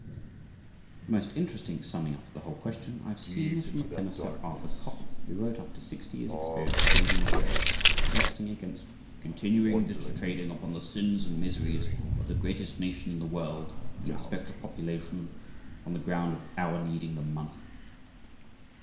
The most interesting summing up of the whole question I have seen is from the pen of Sir Arthur Cotton, who wrote after sixty years' experience in Indian affairs, protesting against "continuing this trading upon the sins and miseries of the greatest nation in the world in respect of population, on the ground of our needing the money."